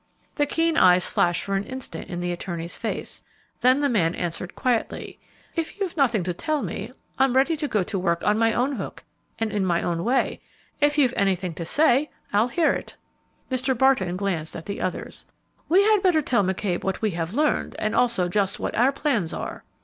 The keen eyes flashed for an instant in the attorney's face, then the man answered quietly, "If you've nothing to tell me, I'm ready to go to work on my own hook and in my own way; if you've anything to say, I'll hear it." Mr. Barton glanced at the others. "We had better tell McCabe what we have learned, and also just what our plans are."